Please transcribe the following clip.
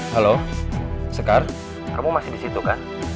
halo sekar kamu masih disitu kan